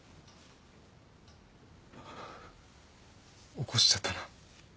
起こしちゃったな